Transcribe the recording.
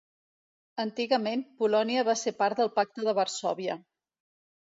Antigament, Polònia va ser part del Pacte de Varsòvia.